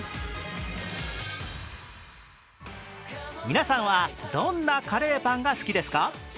皆さんは、どんなカレーパンが好きですか？